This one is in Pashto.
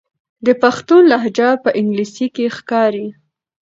د پښتون لهجه په انګلیسي کې ښکاري.